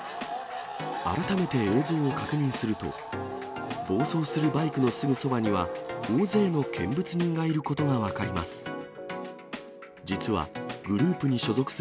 改めて映像を確認すると、暴走するバイクのすぐそばには、大勢の見物人がいることが分かります。